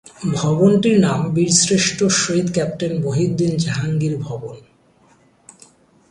ভবনটির নাম বীরশ্রেষ্ঠ শহীদ ক্যাপ্টেন মহিউদ্দিন জাহাঙ্গীর ভবন।